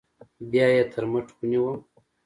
بيا يې تر مټ ونيوم.